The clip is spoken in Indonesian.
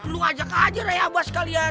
lu ajak aja raya abah sekalian